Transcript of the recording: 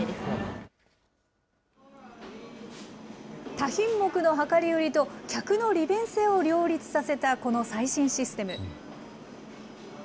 多品目の量り売りと客の利便性を両立させたこの最新システム。